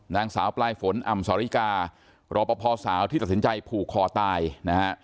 นางสาวปลายฝนอ่ำสาริการรอปภสาวที่ตัดสินใจผูกคอตายนะฮะ